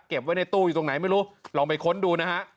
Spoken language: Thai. ไว้ในตู้อยู่ตรงไหนไม่รู้ลองไปค้นดูนะฮะ